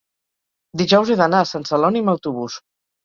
dijous he d'anar a Sant Celoni amb autobús.